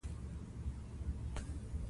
له تودې معرکې وروسته سوله نصیب شوې وي.